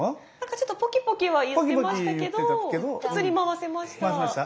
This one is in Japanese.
ちょっとポキポキはいってましたけど普通に回せました。